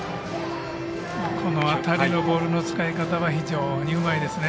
この辺りのボールの使い方は非常にうまいですね